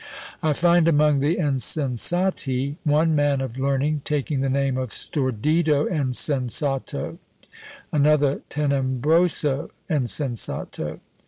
I find among the Insensati, one man of learning taking the name of STORDIDO Insensato, another TENEBROSO Insensato.